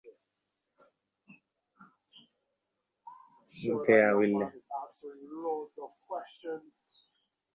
আর মঠে টাকা পাঠাবার কথাটায় গাফিলা হয়ো না।